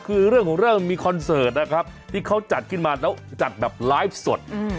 คือเรื่องของเรื่องมีคอนเสิร์ตนะครับที่เขาจัดขึ้นมาแล้วจัดแบบไลฟ์สด